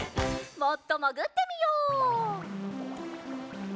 もっともぐってみよう。